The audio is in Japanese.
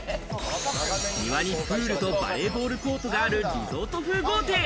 庭にプールとバレーボールコートがあるリゾート風豪邸。